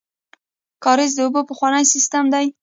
کاریز د اوبو پخوانی سیستم دی